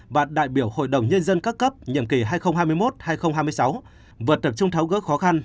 và đại biểu hội đồng nhân dân các cấp nhiệm kỳ hai nghìn hai mươi một hai nghìn hai mươi sáu vượt tập trung tháo gỡ khó khăn